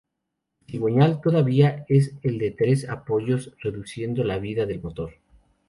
El cigüeñal todavía es el de tres apoyos, reduciendo la vida del motor.